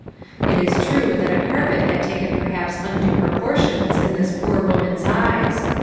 It is true that a carpet had taken perhaps undue proportions in this poor woman's eyes.